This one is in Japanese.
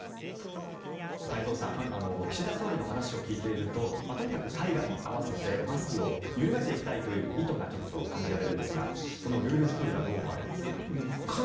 太蔵さん岸田総理の話を聞いているととにかく海外に合わせてマスクを緩めていきたいという意図が感じられるんですがルール作りはどう思いますか？